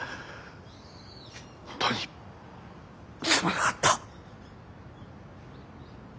本当にすまなかった。